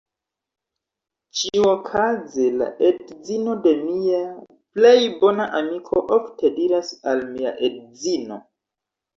Ĉiuokaze la edzino de mia plej bona amiko ofte diras al mia edzino: